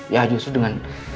ya justru dengan